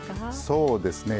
そうですね。